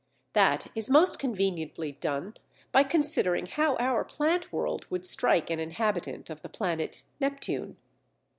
That is most conveniently done by considering how our plant world would strike an inhabitant of the planet Neptune.